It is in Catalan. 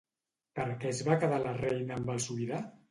Per què es va quedar la reina amb el sobirà?